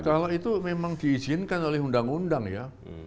kalau itu memang diizinkan oleh undang undang ya